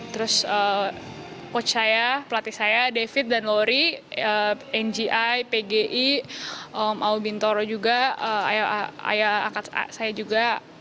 terus coach saya pelatih saya david dan lori ngi pgi aul bintoro juga ayah akat saya juga